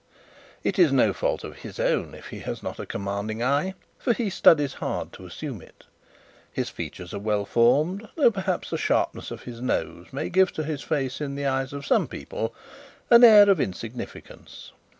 It is no fault of his own if he has not a commanding eye, for he studies hard to assume it. His features are well formed, though perhaps the sharpness of his nose may give to his face in the eyes of some people an air of insignificance.